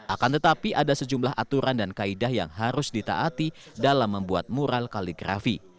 akan tetapi ada sejumlah aturan dan kaedah yang harus ditaati dalam membuat mural kaligrafi